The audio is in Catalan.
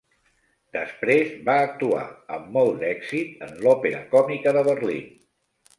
Després va actuar, amb molt d'èxit, en l'Òpera Còmica de Berlín.